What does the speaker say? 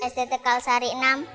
sdt kalsari enam